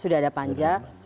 sudah ada panja